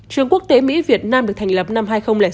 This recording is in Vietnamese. trường quốc tế mỹ việt nam được thành lập năm hai nghìn sáu